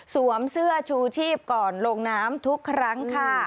เสื้อชูชีพก่อนลงน้ำทุกครั้งค่ะ